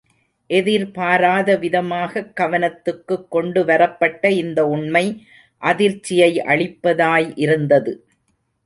எதிர்பாராத விதமாகக் கவனத்துக்குக் கொண்டு வரப்பட்ட இந்த உண்மை அதிர்ச்சியை அளிப்பதாய் இருந்தது.